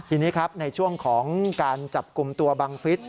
ทีนี้ครับในช่วงของการจับกลุ่มตัวบังฟิศ